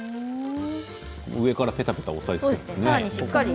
上からペタペタ押さえつけて。